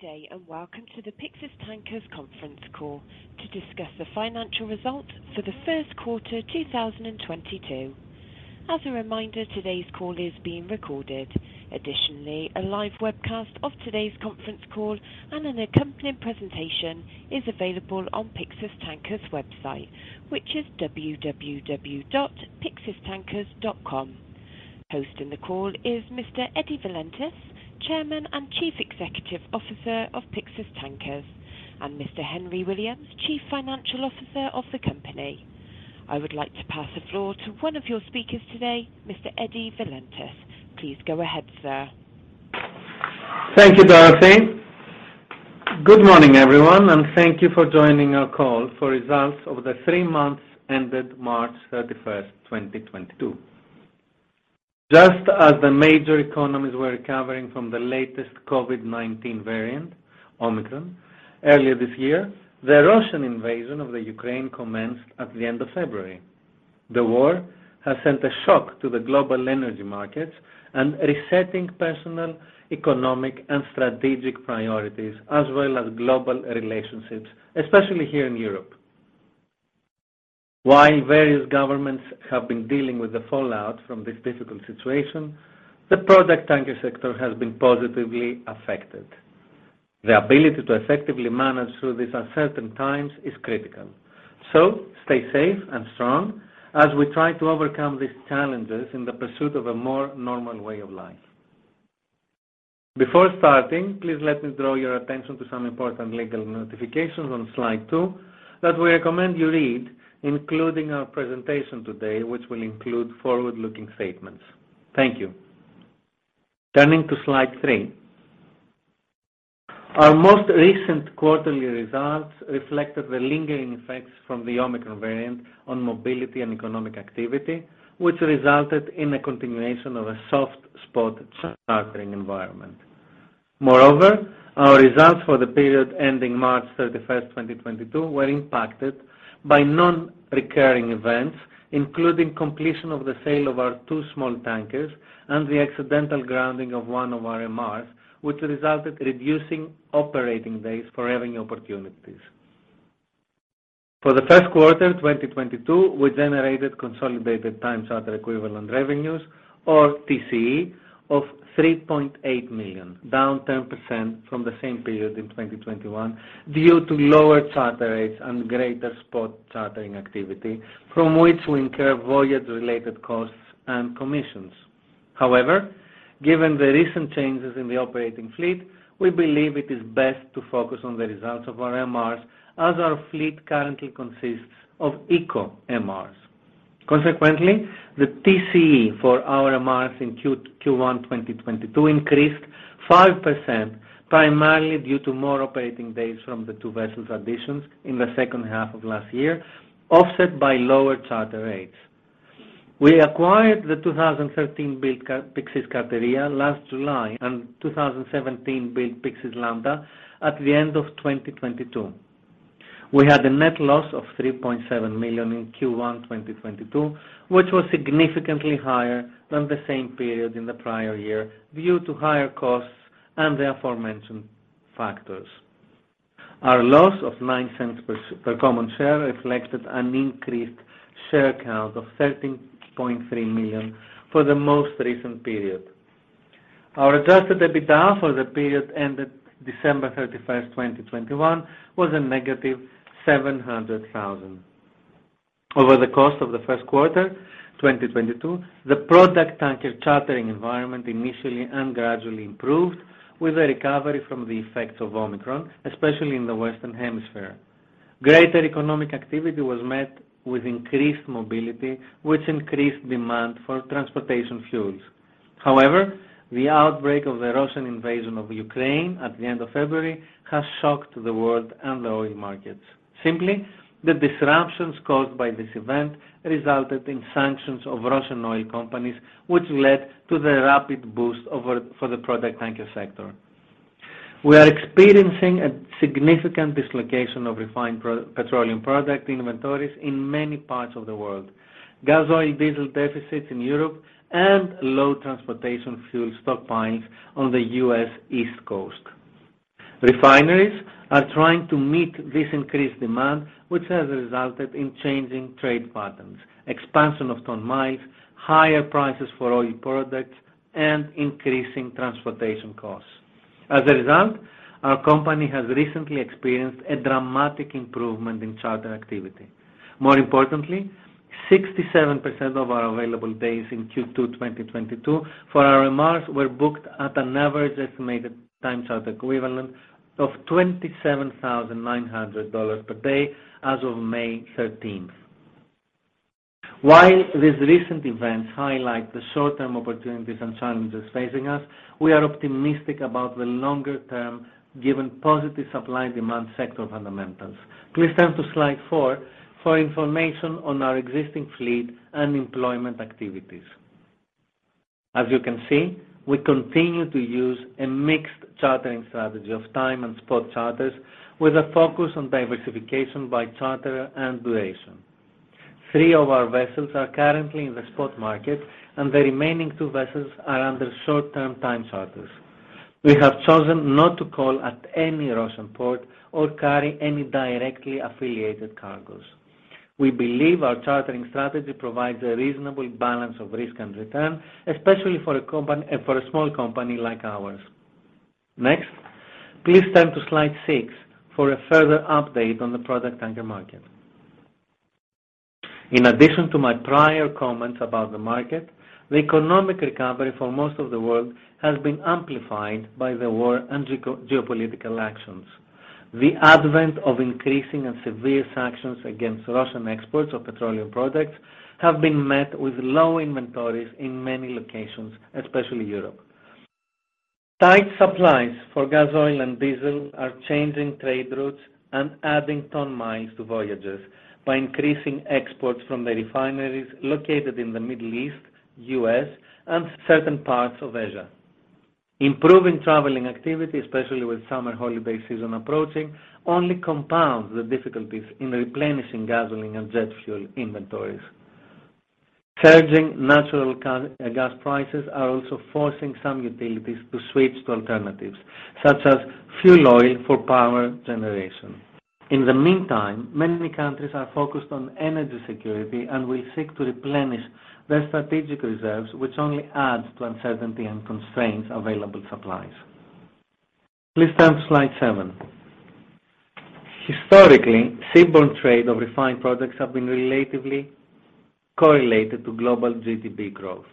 Good day, and welcome to the Pyxis Tankers conference call to discuss the financial results for the first quarter 2022. As a reminder, today's call is being recorded. Additionally, a live webcast of today's conference call and an accompanying presentation is available on Pyxis Tankers website, which is www.pyxistankers.com. Hosting the call is Mr. Valentios Valentis, Chairman and Chief Executive Officer of Pyxis Tankers, and Mr. Henry Williams, Chief Financial Officer of the company. I would like to pass the floor to one of your speakers today, Mr. Valentios Valentis. Please go ahead, sir. Thank you, Dorothy. Good morning, everyone, and thank you for joining our call for results of the three months ended March 31st, 2022. Just as the major economies were recovering from the latest COVID-19 variant, Omicron, earlier this year, the Russian invasion of the Ukraine commenced at the end of February. The war has sent a shock to the global energy markets and resetting personal, economic, and strategic priorities, as well as global relationships, especially here in Europe. While various governments have been dealing with the fallout from this difficult situation, the product tanker sector has been positively affected. The ability to effectively manage through these uncertain times is critical. Stay safe and strong as we try to overcome these challenges in the pursuit of a more normal way of life. Before starting, please let me draw your attention to some important legal notifications on slide two that we recommend you read, including our presentation today, which will include forward-looking statements. Thank you. Turning to slide three. Our most recent quarterly results reflected the lingering effects from the Omicron variant on mobility and economic activity, which resulted in a continuation of a soft spot chartering environment. Moreover, our results for the period ending March 31st, 2022 were impacted by non-recurring events, including completion of the sale of our two small tankers and the accidental grounding of one of our MRs, which resulted reducing operating days for revenue opportunities. For the first quarter, 2022, we generated consolidated time charter equivalent revenues or TCE of $3.8 million, down 10% from the same period in 2021 due to lower charter rates and greater spot chartering activity from which we incur voyage-related costs and commissions. However, given the recent changes in the operating fleet, we believe it is best to focus on the results of our MRs as our fleet currently consists of eco MRs. Consequently, the TCE for our MRs in Q1, 2022 increased 5% primarily due to more operating days from the two vessel additions in the second half of last year, offset by lower charter rates. We acquired the 2013-built Pyxis Karteria last July and 2017-built Pyxis Lambda at the end of 2021. We had a net loss of $3.7 million in Q1 2022, which was significantly higher than the same period in the prior year due to higher costs and the aforementioned factors. Our loss of $0.09 per common share reflected an increased share count of 13.3 million for the most recent period. Our adjusted EBITDA for the period ended December 31st, 2021 was -$700,000. Over the course of the first quarter 2022, the product tanker chartering environment initially and gradually improved with a recovery from the effects of Omicron, especially in the Western Hemisphere. Greater economic activity was met with increased mobility, which increased demand for transportation fuels. However, the outbreak of the Russian invasion of Ukraine at the end of February has shocked the world and the oil markets. Simply, the disruptions caused by this event resulted in sanctions of Russian oil companies, which led to the rapid boost for the product tanker sector. We are experiencing a significant dislocation of refined petroleum product inventories in many parts of the world, gas oil, diesel deficits in Europe and low transportation fuel stockpiles on the U.S. East Coast. Refineries are trying to meet this increased demand, which has resulted in changing trade patterns, expansion of ton miles, higher prices for oil products, and increasing transportation costs. As a result, our company has recently experienced a dramatic improvement in charter activity. More importantly, 67% of our available days in Q2 2022 for our MRs were booked at an average estimated time charter equivalent of $27,900 per day as of May 13th. While these recent events highlight the short-term opportunities and challenges facing us, we are optimistic about the longer term given positive supply and demand sector fundamentals. Please turn to slide four for information on our existing fleet and employment activities. As you can see, we continue to use a mixed chartering strategy of time and spot charters with a focus on diversification by charterer and duration. Three of our vessels are currently in the spot market and the remaining two vessels are under short-term time charters. We have chosen not to call at any Russian port or carry any directly affiliated cargos. We believe our chartering strategy provides a reasonable balance of risk and return, especially for a small company like ours. Next, please turn to slide six for a further update on the product tanker market. In addition to my prior comments about the market, the economic recovery for most of the world has been amplified by the war and geopolitical actions. The advent of increasing and severe sanctions against Russian exports of petroleum products have been met with low inventories in many locations, especially Europe. Tight supplies for gas oil and diesel are changing trade routes and adding ton miles to voyages by increasing exports from the refineries located in the Middle East, U.S., and certain parts of Asia. Improving traveling activity, especially with summer holiday season approaching, only compounds the difficulties in replenishing gasoline and jet fuel inventories. Surging natural gas prices are also forcing some utilities to switch to alternatives such as fuel oil for power generation. In the meantime, many countries are focused on energy security, and will seek to replenish their strategic reserves, which only adds to uncertainty and constrains available supplies. Please turn to slide seven. Historically, seaborne trade of refined products have been relatively correlated to global GDP growth.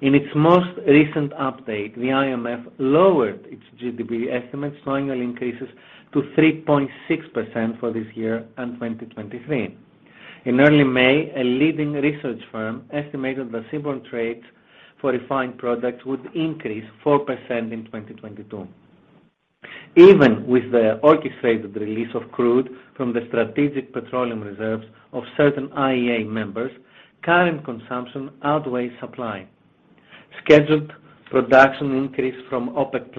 In its most recent update, the IMF lowered its GDP estimates, slowing increases to 3.6% for this year and 2023. In early May, a leading research firm estimated that seaborne trades for refined products would increase 4% in 2022. Even with the orchestrated release of crude from the strategic petroleum reserves of certain IEA members, current consumption outweighs supply. Scheduled production increase from OPEC+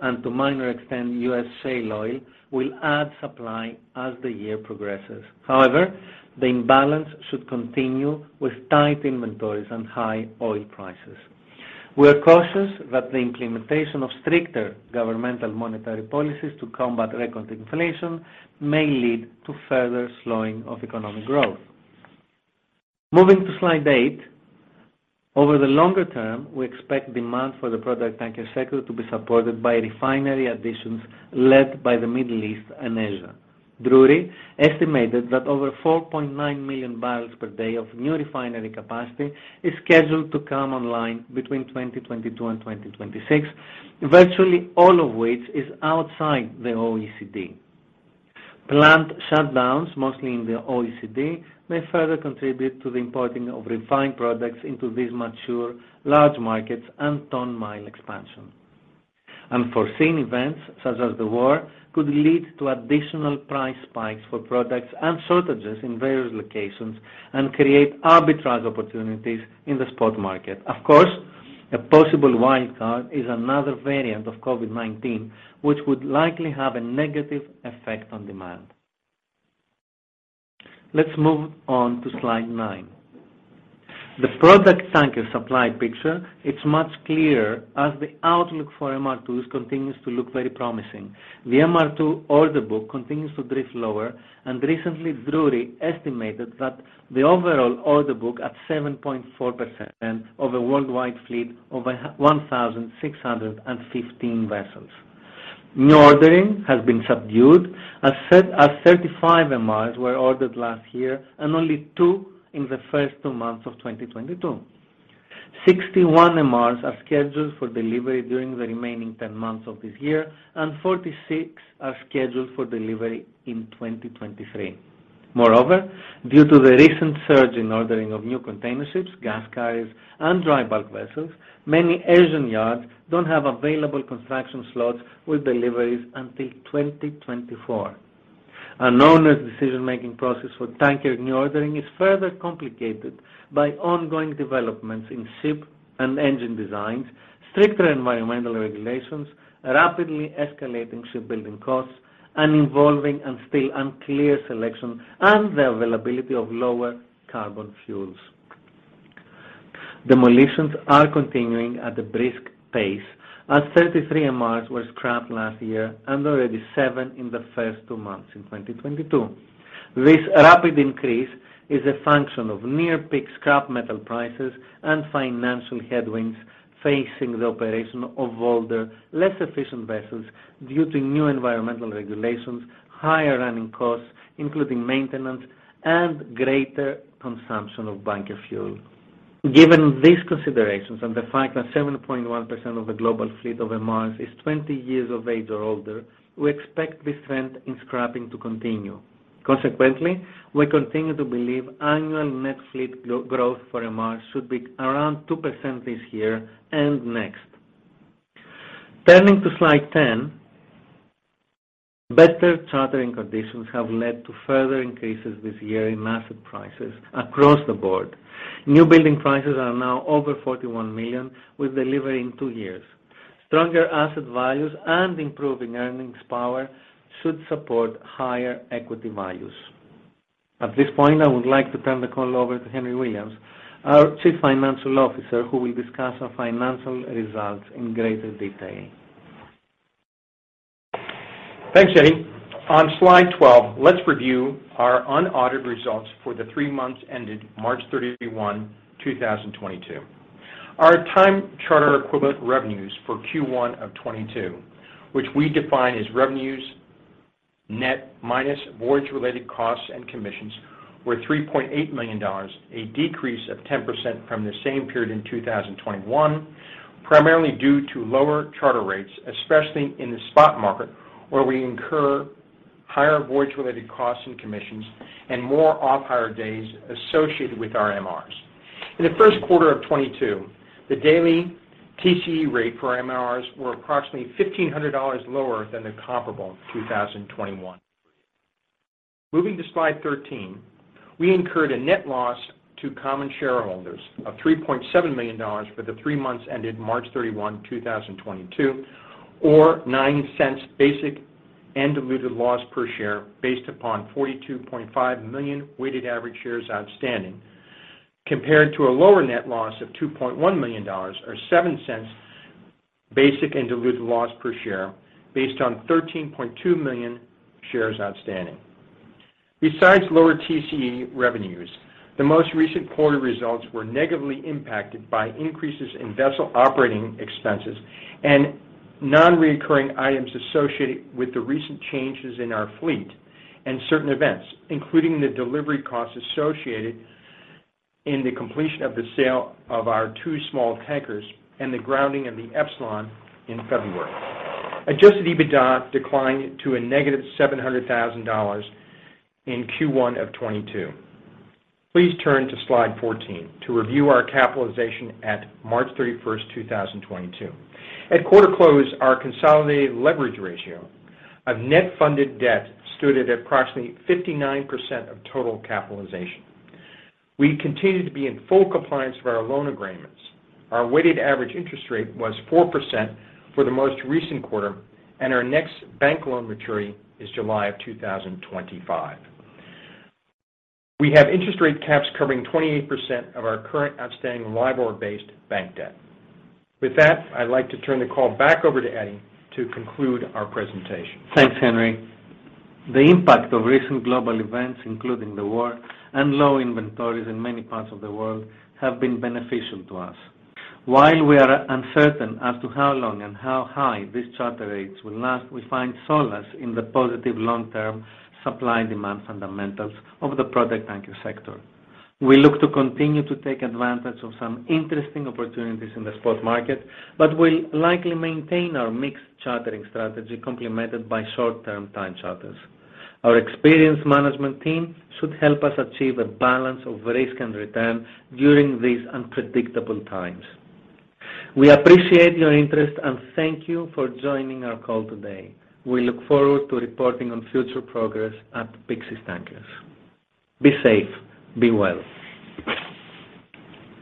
and to minor extent, U.S. shale oil, will add supply as the year progresses. However, the imbalance should continue with tight inventories and high oil prices. We are cautious that the implementation of stricter governmental monetary policies to combat record inflation may lead to further slowing of economic growth. Moving to slide eight. Over the longer term, we expect demand for the product tanker sector to be supported by refinery additions led by the Middle East and Asia. Drewry estimated that over 4.9 million barrels per day of new refinery capacity is scheduled to come online between 2022 and 2026, virtually all of which is outside the OECD. Plant shutdowns, mostly in the OECD, may further contribute to the importing of refined products into these mature large markets and ton mile expansion. Unforeseen events such as the war could lead to additional price spikes for products and shortages in various locations and create arbitrage opportunities in the spot market. Of course, a possible wildcard is another variant of COVID-19 which would likely have a negative effect on demand. Let's move on to slide nine. The product tanker supply picture is much clearer as the outlook for MR2 continues to look very promising. The MR2 order book continues to drift lower, and recently, Drewry estimated that the overall order book at 7.4% of a worldwide fleet over 1,615 vessels. New ordering has been subdued, as 35 MRs were ordered last year and only two in the first two months of 2022. 61 MRs are scheduled for delivery during the remaining 10 months of this year, and 46 are scheduled for delivery in 2023. Moreover, due to the recent surge in ordering of new container ships, gas carriers and dry bulk vessels, many Asian yards don't have available construction slots with deliveries until 2024. An owner's decision-making process for tanker new ordering is further complicated by ongoing developments in ship and engine designs, stricter environmental regulations, rapidly escalating shipbuilding costs, and evolving and still unclear selection and the availability of lower carbon fuels. Demolitions are continuing at a brisk pace as 33 MRs were scrapped last year and already seven in the first two months in 2022. This rapid increase is a function of near peak scrap metal prices and financial headwinds facing the operation of older, less efficient vessels due to new environmental regulations, higher running costs, including maintenance and greater consumption of bunker fuel. Given these considerations and the fact that 7.1% of the global fleet of MRs is 20 years of age or older, we expect this trend in scrapping to continue. Consequently, we continue to believe annual net fleet growth for MRs should be around 2% this year and next. Turning to slide 10. Better chartering conditions have led to further increases this year in asset prices across the board. New building prices are now over $41 million, with delivery in two years. Stronger asset values and improving earnings power should support higher equity values. At this point, I would like to turn the call over to Henry Williams, our Chief Financial Officer, who will discuss our financial results in greater detail. Thanks, Eddie. On slide 12, let's review our unaudited results for the three months ended March 31, 2022. Our time charter equivalent revenues for Q1 of 2022, which we define as revenues net minus voyage-related costs and commissions, were $3.8 million, a decrease of 10% from the same period in 2021, primarily due to lower charter rates, especially in the spot market, where we incur higher voyage-related costs and commissions and more off-hire days associated with our MRs. In the first quarter of 2022, the daily TCE rate for MRs were approximately $1,500 lower than the comparable 2021. Moving to slide 13. We incurred a net loss to common shareholders of $3.7 million for the three months ended March 31, 2022, or $0.09 basic and diluted loss per share based upon 42.5 million weighted average shares outstanding, compared to a lower net loss of $2.1 million or $0.07 basic and diluted loss per share based on 13.2 million shares outstanding. Besides lower TCE revenues, the most recent quarter results were negatively impacted by increases in vessel operating expenses and non-recurring items associated with the recent changes in our fleet and certain events, including the delivery costs associated with the completion of the sale of our two small tankers and the grounding of the Epsilon in February. Adjusted EBITDA declined to -$700,000 in Q1 of 2022. Please turn to slide 14 to review our capitalization at March 31st, 2022. At quarter close, our consolidated leverage ratio of net funded debt stood at approximately 59% of total capitalization. We continue to be in full compliance with our loan agreements. Our weighted average interest rate was 4% for the most recent quarter, and our next bank loan maturity is July 2025. We have interest rate caps covering 28% of our current outstanding LIBOR-based bank debt. With that, I'd like to turn the call back over to Eddie to conclude our presentation. Thanks, Henry. The impact of recent global events, including the war and low inventories in many parts of the world, have been beneficial to us. While we are uncertain as to how long and how high these charter rates will last, we find solace in the positive long-term supply-demand fundamentals of the product tanker sector. We look to continue to take advantage of some interesting opportunities in the spot market, but we'll likely maintain our mixed chartering strategy complemented by short-term time charters. Our experienced management team should help us achieve a balance of risk and return during these unpredictable times. We appreciate your interest, and thank you for joining our call today. We look forward to reporting on future progress at Pyxis Tankers. Be safe, be well.